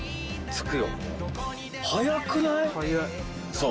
そう。